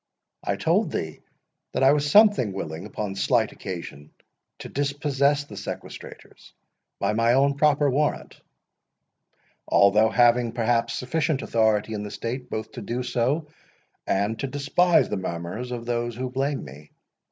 —"I told thee that I was something unwilling, upon slight occasion, to dispossess the sequestrators by my own proper warrant, although having, perhaps, sufficient authority in the state both to do so, and to despise the murmurs of those who blame me.